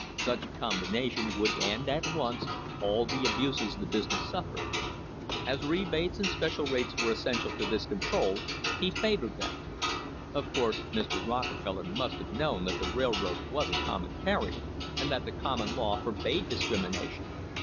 Such a combination would end at once all the abuses the business suffered. As rebates and special rates were essential to this control, he favoured them. Of course Mr. Rockefeller must have known that the railroad was a common carrier, and that the common law forbade discrimi nation.